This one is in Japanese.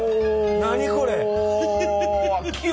何これ。